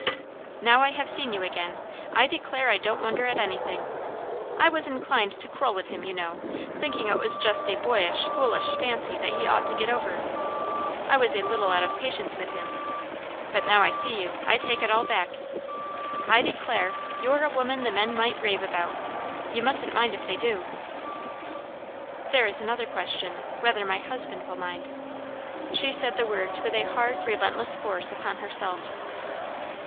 "Now I have seen you again, I declare I don't wonder at anything. I was inclined to quarrel with him, you know, thinking it was just a boyish foolish fancy that he ought to get over; I was a little out of patience with him; but now I see you, I take it all back. I declare, you're a woman the men might rave about. You mustn't mind if they do." "There is another question, whether my husband will mind." She said the words with a hard, relentless force upon herself.